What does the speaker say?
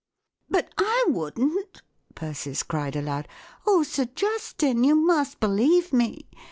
" But I wouldn't," Persis cried aloud. " Oh, Sir Justin, you must believe me.